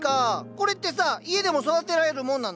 これってさあ家でも育てられるもんなの？